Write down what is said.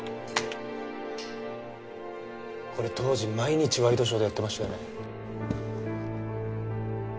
これ当時毎日ワイドショーでやってましたよね。